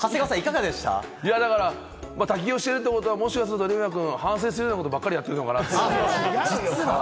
滝行してるってことはレイワくん、反省するようなことばっかりやってるのかな？